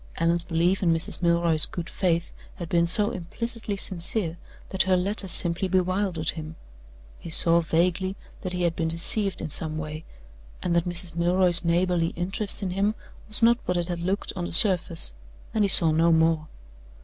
Allan's belief in Mrs. Milroy's good faith had been so implicitly sincere that her letter simply bewildered him. He saw vaguely that he had been deceived in some way, and that Mrs. Milroy's neighborly interest in him was not what it had looked on the surface; and he saw no more.